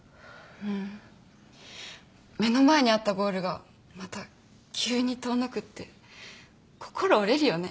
うん目の前にあったゴールがまた急に遠のくって心折れるよね。